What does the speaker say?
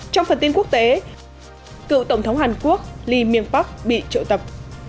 trong phần tin quốc tế cựu tổng thống hàn quốc lee myung pak bị trợ tập